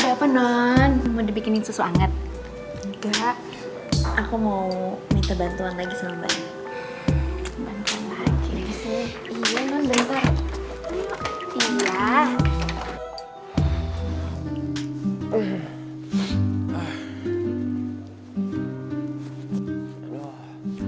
ada apa non mau dibikinin susu anget enggak aku mau minta bantuan lagi sama